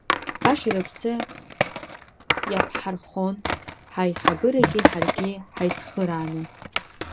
Баша рыԥсы иаԥҳархон ҳаиҳабырагьы ҳаргьы ҳаицхырааны…